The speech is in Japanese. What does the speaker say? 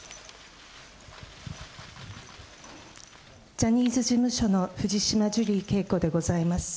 ジャニーズ事務所の藤島ジュリー景子でございます。